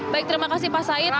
baik terima kasih pak said